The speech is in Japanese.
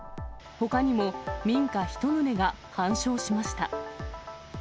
ほかにも民家１棟が半焼しました。